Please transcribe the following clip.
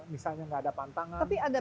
misalnya nggak ada pantangan tapi ada